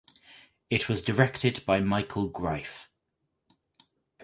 It was directed by Michael Greif.